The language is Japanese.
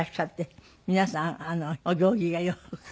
皆さんお行儀がよく。